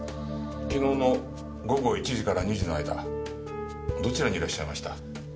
昨日の午後１時から２時の間どちらにいらっしゃいました？